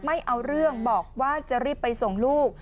ไม่เอาเรื่องบอกว่าจะรีบไปส่งลูก